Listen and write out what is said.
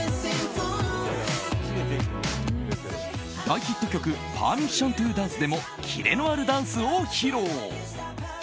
大ヒット曲「ＰｅｒｍｉｓｓｉｏｎｔｏＤａｎｃｅ」でもキレのあるダンスを披露！